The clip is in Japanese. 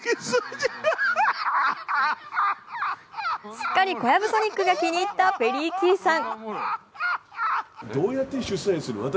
すっかりコヤブソニックが気に入ったペリー・キーさん。